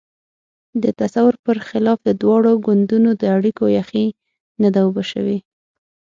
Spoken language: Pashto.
د تصور پر خلاف د دواړو ګوندونو د اړیکو یخۍ نه ده اوبه شوې.